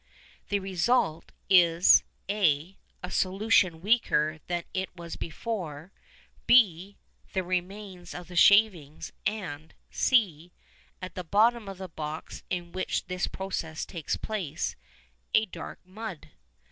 The result is (a) a solution weaker than it was before, (b) the remains of the shavings, and (c), at the bottom of the box in which this process takes place, a dark mud.